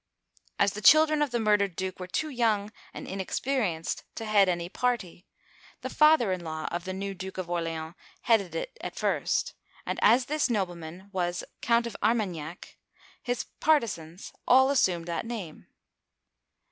As the children of the murdered duke were too young and inexperienced to head any party, the father in law of the new Duke of Orleans headed it at first, and as this nobleman was Count of Armagnac (ar man yak'), his par tisans all assumed that name.